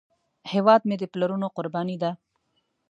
هیواد مې د پلرونو قرباني ده